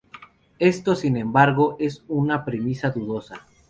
Esto, sin embargo, es una premisa dudosa.